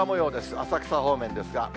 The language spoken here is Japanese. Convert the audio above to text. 浅草方面ですが。